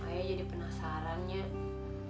ayah jadi penasaran nyiak